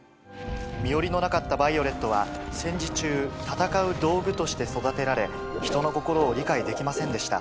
身寄りのなかったヴァイオレットは戦時中戦う道具として育てられ人の心を理解できませんでした。